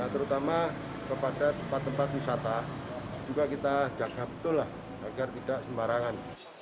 terutama kepada tempat tempat wisata juga kita jaga betul lah agar tidak sembarangan